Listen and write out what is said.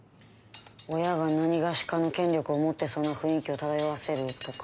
親がなにがしかの権力を持ってそうな雰囲気を漂わせるとか。